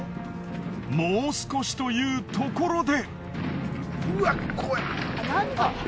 もう少しというところで。